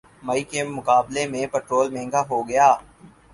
مئی کے مقابلے میں پٹرول مہنگا ہوگیا